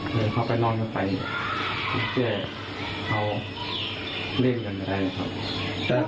หรือเขาไปนอนเมื่อไปจะเอาเล่นเงินอะไรครับ